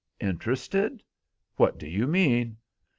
"Interested! What do you mean?"